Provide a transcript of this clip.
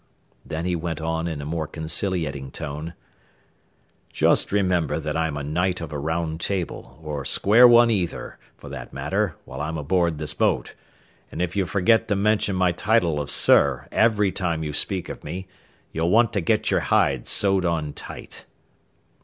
Then he went on in a more conciliating tone: "Just remember that I'm a knight of a round table, or square one either, for that matter, while I'm aboard this boat, and if you forget to mention my title of 'Sir,' every time you speak of me, you'll want to get your hide sewed on tight."